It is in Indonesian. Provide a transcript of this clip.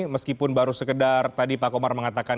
meskipun baru sekedar tadi pak komar mengatakan